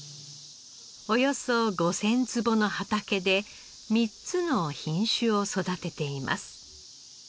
およそ５０００坪の畑で３つの品種を育てています。